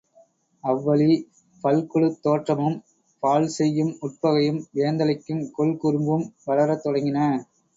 அவ்வழி, பல்குழுத் தோற்றமும் பாழ்செய்யும் உட்பகையும் வேந்தலைக்கும் கொல்குறும்பும் வளரத் தொடங்கின.